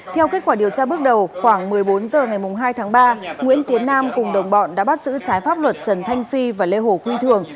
theo kết quả điều tra bước đầu khoảng một mươi bốn h ngày hai tháng ba nguyễn tiến nam cùng đồng bọn đã bắt giữ trái pháp luật trần thanh phi và lê hồ quy thường